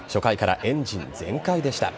初回からエンジン全開でした。